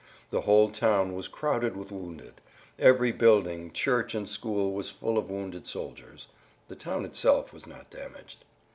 The whole town was crowded with wounded; every building, church, and school was full of wounded soldiers. The town itself was not damaged.